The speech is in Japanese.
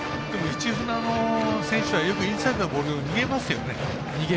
市船の選手はよくインサイドのボール逃げますよね。